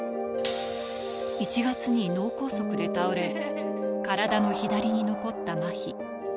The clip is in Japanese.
１月に脳梗塞で倒れ、体の左に残ったまひ。